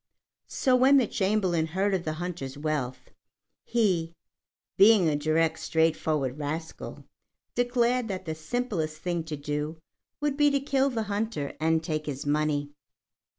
So, when the Chamberlain heard of the hunter's wealth, he being a direct, straightforward rascal declared that the simplest thing to do would be to kill the hunter and take his money.